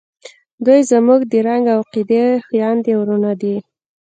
دوئ زموږ د رنګ او عقیدې خویندې او ورونه دي.